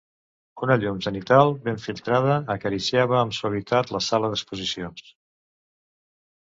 Una llum zenital ben filtrada acariciava amb suavitat la sala d'exposicions.